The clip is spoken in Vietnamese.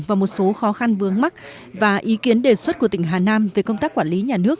và một số khó khăn vướng mắt và ý kiến đề xuất của tỉnh hà nam về công tác quản lý nhà nước